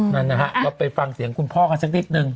นั่นนะฮะเราไปฟังเสียงคุณพ่อกันสักนิดนึง